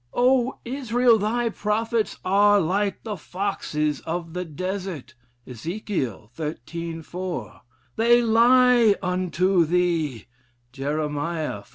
'O Israel, thy prophets are like the foxes of the desert.' Ezekiel xiii. 4. 'They lie unto thee.' Jerem. xiv.